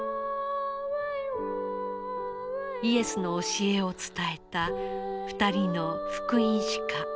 イエスの教えを伝えた２人の福音史家。